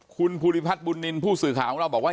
คุณภูริพัฒน์บุญนินทร์ผู้สื่อข่าวของเราบอกว่า